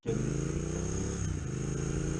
Quel métier exercez-vous ?